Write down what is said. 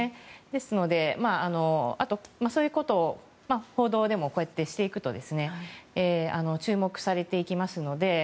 ですので、そういうことを報道でもしていくと注目されていきますので。